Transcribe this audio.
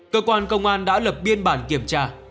cơ quan công an đã lập biên bản kiểm tra